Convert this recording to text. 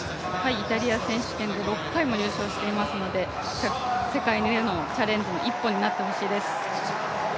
イタリア選手権で６回も優勝していますので世界へのチャレンジの一歩になってほしいです。